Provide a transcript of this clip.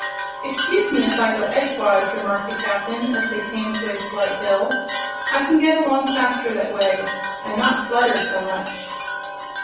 "Excuse me if I go edgewise," remarked the Captain as they came to a slight hill. "I can get along faster that way and not flutter so much."